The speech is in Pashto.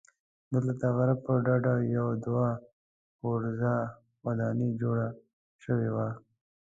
دلته د غره پر ډډه یوه دوه پوړیزه ودانۍ جوړه شوې وه.